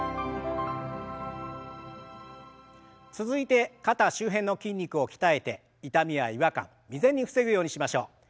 続いて肩周辺の筋肉を鍛えて痛みや違和感未然に防ぐようにしましょう。